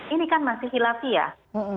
ini kan masih hilafiyah